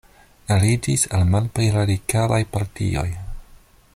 Aliĝis al malpli radikalaj partioj.